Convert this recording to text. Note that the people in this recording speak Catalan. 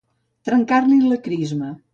Trencar-li la crisma.